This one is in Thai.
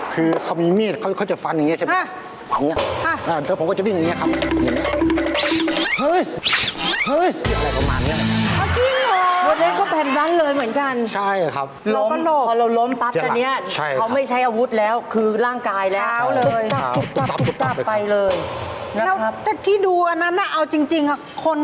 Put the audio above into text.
เค้ามีเมียตเค้าจะฟันอย่างนี้ใช่ไหม